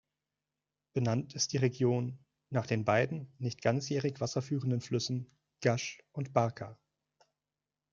Benannt ist die Region nach den beiden nicht ganzjährig wasserführenden Flüssen Gash und Barka.